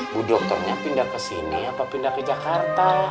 bu dokternya pindah kesini apa pindah ke jakarta